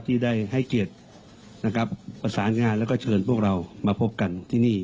ที่ได้ให้เกียรตินะครับประสานงานแล้วก็เชิญพวกเรามาพบกันที่นี่